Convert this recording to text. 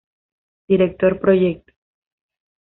Director Proyecto.